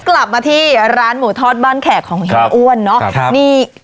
กลับมาที่ร้านหมูทอดบ้านแขกของเฮียอ้วนเนาะ